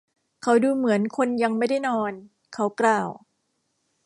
เขาดูเหมือนคนยังไม่ได้นอน เขากล่าว